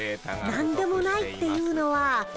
何でもないっていうのは。